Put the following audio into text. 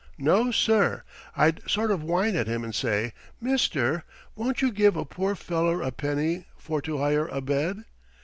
No, sir! I'd sort of whine at him and say, 'Mister, won't you give a poor feller a penny for to hire a bed?'